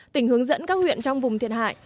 tỉnh hướng dẫn các huyện trong vùng thiệt hại